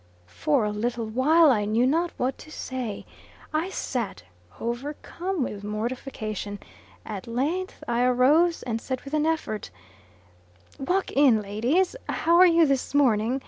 For a little while, I knew not what to say. I sat, overcome with mortification. At length, I arose, and said with an effort, "Walk in, ladies! How are you this morning?